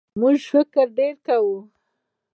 موږ فکر ډېر کوو.